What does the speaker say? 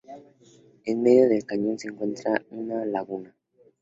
En medio del cañón se encuentra un laguna.